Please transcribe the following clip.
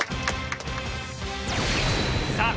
さあ